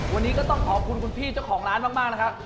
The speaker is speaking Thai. วันนี้ก็ต้องขอบคุณคุณพี่เจ้าของร้านมากนะครับ